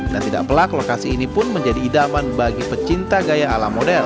dan tidak pelak lokasi ini pun menjadi idaman bagi pecinta gaya ala model